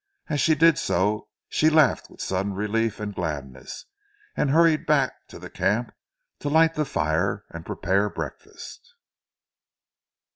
As she did so, she laughed with sudden relief and gladness, and hurried back to the camp to light the fire and prepare breakfast.